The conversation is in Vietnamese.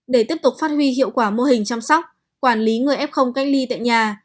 để tiếp tục phát huy hiệu quả mô hình chăm sóc quản lý người f cách ly tại nhà